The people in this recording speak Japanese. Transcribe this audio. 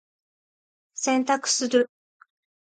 洗濯する。